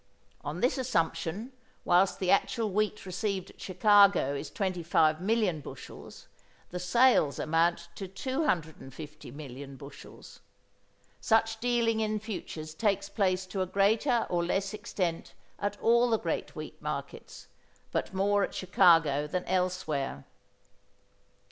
On this assumption, whilst the actual wheat received at Chicago is 25 million bushels, the sales amount to 250 million bushels. Such dealing in futures takes place to a greater or less extent at all the great wheat markets, but more at Chicago than elsewhere.